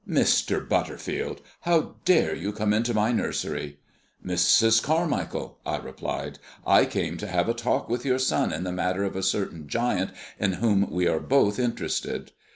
"Mr. Butterfield, how dare you come into my nursery!" "Mrs. Carmichael," I replied, "I came to have a talk with your son in the matter of a certain giant in whom we are both interested.